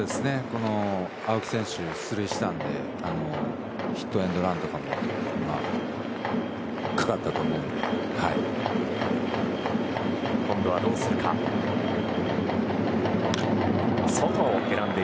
青木選手、出塁したのでヒットエンドランとかもかかったと思うので。